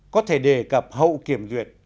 có thể đề cập hậu kiểm duyệt